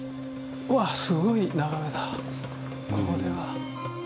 うわすごい眺めだこれは。